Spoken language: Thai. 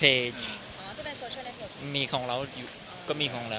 มั่นใจขนาดไหนที่ที่นี่เป็นเวลาคุณขนาดไหน